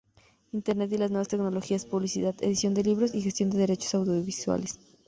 Internet y las nuevas tecnologías, publicidad, edición de libros y gestión de derechos audiovisuales